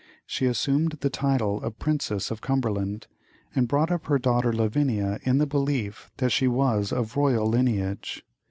She assumed the title of Princess of Cumberland, and brought up her daughter Lavinia in the belief that she was of royal lineage.